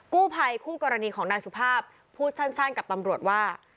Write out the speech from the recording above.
กู้ภัยคู่กรณีของนายสุภาพพูดสั้นกับตำรวจว่า